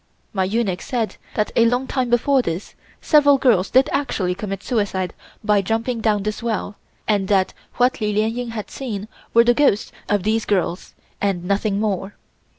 My eunuch said that a long time before this several girls did actually commit suicide by jumping down this well, and that what Li Lien Ying had seen were the ghosts of these girls, and nothing more.